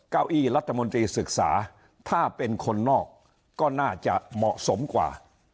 เก้าอี้รัฐมนตรีศึกษาถ้าเป็นคนนอกก็น่าจะเหมาะสมกว่า